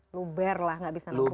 luber lah gak bisa nangkuh kita